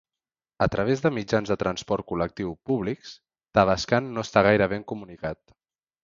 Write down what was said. A través de mitjans de transport col·lectiu públics, Tavascan no està gaire ben comunicat.